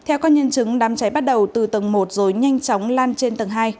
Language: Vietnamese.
theo các nhân chứng đám cháy bắt đầu từ tầng một rồi nhanh chóng lan trên tầng hai